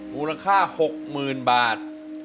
มูลค่า๖หมื่นบาท